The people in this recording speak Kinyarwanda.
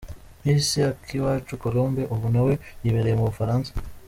Miss Akiwacu Colombe ubu nawe yibereye mu Bufaransa.